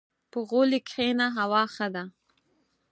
• په غولي کښېنه، هوا ښه ده.